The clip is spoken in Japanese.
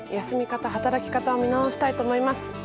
休み方、働き方を見直したいと思います。